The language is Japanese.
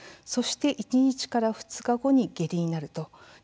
そして１、２日から２日後に下痢になる。